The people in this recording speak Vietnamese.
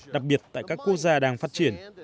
đặc biệt tại các quốc gia đang phát triển